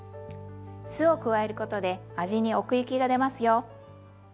酢を加えることで味に奥行きがでますよ。